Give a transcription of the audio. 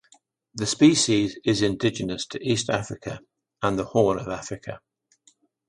The species is indigenous to East Africa and the Horn of Africa.